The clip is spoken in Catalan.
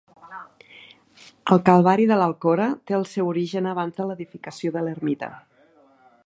El calvari de l'Alcora té el seu origen abans de l'edificació de l'ermita.